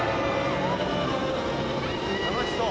楽しそう。